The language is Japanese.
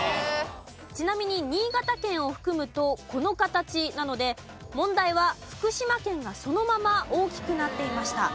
ちなみに新潟県を含むとこの形なので問題は福島県がそのまま大きくなっていました。